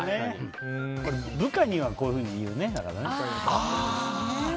部下にはこういうふうに言うね。